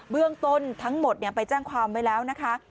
เรื่องต้นทั้งหมดไปแจ้งความไว้แล้วนะคะ